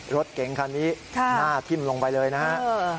รถเก๋งคันนี้น่าทิ้งลงไปเลยนะฮะ